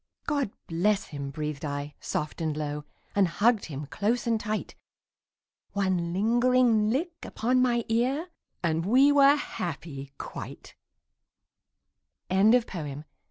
"God bless him," breathed I soft and low, And hugged him close and tight. One lingering lick upon my ear And we were happy quite. ANONYMOUS.